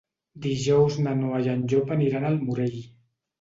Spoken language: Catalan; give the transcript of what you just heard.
Dijous na Noa i en Llop aniran al Morell.